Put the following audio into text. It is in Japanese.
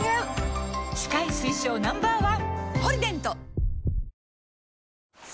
歯科医推奨 Ｎｏ．１！